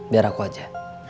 biar aku aja